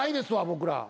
僕ら。